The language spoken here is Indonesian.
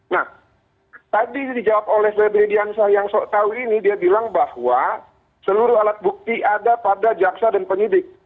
nah tadi dijawab oleh febri diansah yang tahu ini dia bilang bahwa seluruh alat bukti ada pada jaksa dan penyidik